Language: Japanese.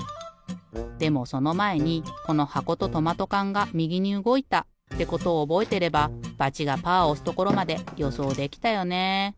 でもそのまえにこのはことトマトかんがみぎにうごいたってことをおぼえてればバチがパーをおすところまでよそうできたよね。